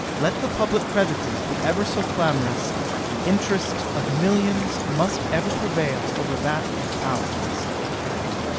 Let the public creditors be ever so clamorous, the interest of millions must ever prevail over that of thousands.